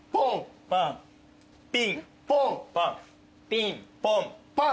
ピンポンパン。